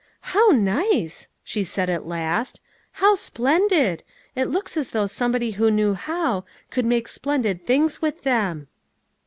" How nice !" she said at last. " How splen did ! It looks as though somebody who knew how, could make splendid things with them."